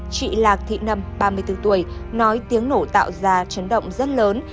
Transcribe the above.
chị lạc thị nâm ba mươi bốn tuổi nói tiếng nổ tạo ra chấn động rất lớn